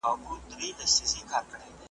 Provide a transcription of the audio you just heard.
نن لا د مُغان ډکه پیاله یمه تشېږمه ,